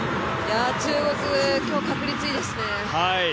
中国、今日確率いいですね。